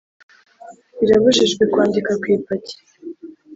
birabujijwe kwandika ku ipaki